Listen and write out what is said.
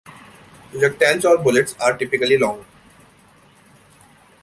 Projectiles or bullets are typically long.